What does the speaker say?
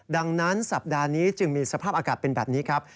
ดังนั้นสัปดาห์นี้จึงมีสภาพอากาศเป็นแบบนี้ครับ